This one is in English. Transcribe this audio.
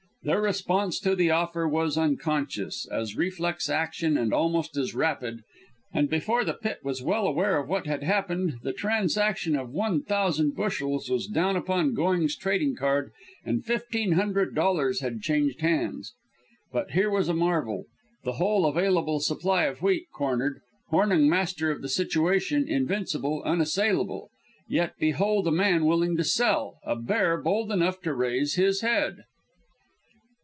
Their response to the offer was as unconscious, as reflex action and almost as rapid, and before the pit was well aware of what had happened the transaction of one thousand bushels was down upon Going's trading card and fifteen hundred dollars had changed hands. But here was a marvel the whole available supply of wheat cornered, Hornung master of the situation, invincible, unassailable; yet behold a man willing to sell, a Bear bold enough to raise his head.